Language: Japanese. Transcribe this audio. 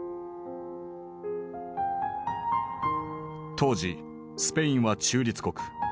当時スペインは中立国。